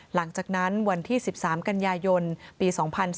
หลังจากนั้นวันที่๑๓กันยายนปี๒๔